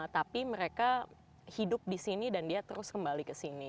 tapi mereka hidup di sini dan dia terus kembali ke sini